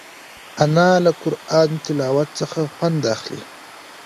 انا له قرآن تلاوت نه خوند اخلي